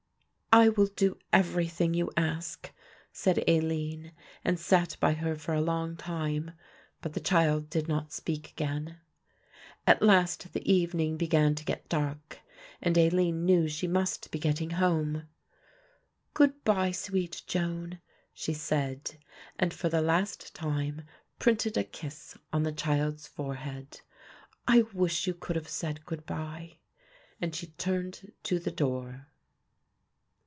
"I will do everything you ask," said Aline, and sat by her for a long time, but the child did not speak again. At last the evening began to get dark and Aline knew she must be getting home. "Good bye, sweet Joan," she said and for the last time printed a kiss on the child's forehead. "I wish you could have said good bye," and she turned to the door.